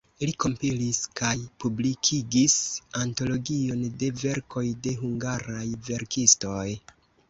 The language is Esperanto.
Li kompilis kaj publikigis antologion de verkoj de hungaraj verkistoj.